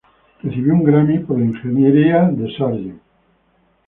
Recibió un Grammy por la ingeniería de "Sgt.